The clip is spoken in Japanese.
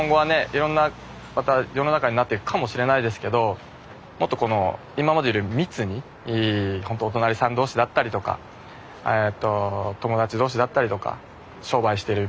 いろんなまた世の中になっていくかもしれないですけどもっとこの今までより密にほんとお隣さん同士だったりとかえと友達同士だったりとか商売してる